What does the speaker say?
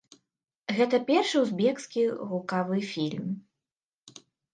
Гэта першы узбекскі гукавы фільм.